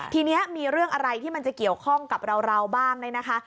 ทีนี้มีเรื่องอะไรที่มันจะเกี่ยวข้องกับเราบ้างเนี่ยนะคะ